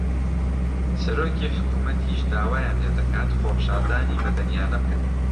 سەرۆکی حکوومەتیش داوایان لێ دەکات خۆپیشاندانی مەدەنییانە بکەن